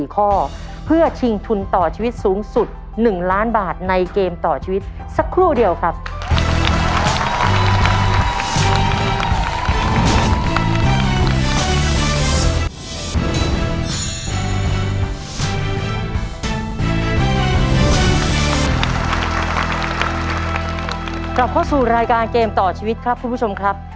กลับเข้าสู่รายการเกมต่อชีวิตครับคุณผู้ชมครับ